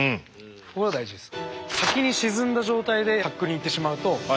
これが大事です。